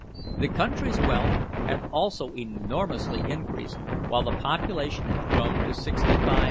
The country's wealth had also enormously increased, while the population had grown to 65,000,000.